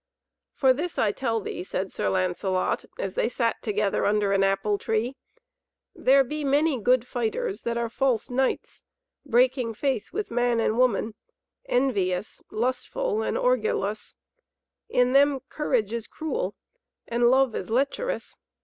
"For this I tell thee," said Sir Lancelot, as they sat together under an apple tree, "there be many good fighters that are false knights, breaking faith with man and woman, envious, lustful and orgulous. In them courage is cruel, and love is lecherous.